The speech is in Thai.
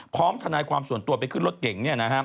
พร้อมทนายความส่วนตัวไปขึ้นรถเก่งนี่นะฮะ